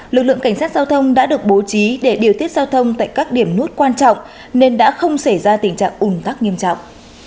lực lượng cảnh sát giao thông đã được bố trí để điều tiết giao thông tại các điểm nút quan trọng nên đã không xảy ra tình trạng ủn tắc nghiêm trọng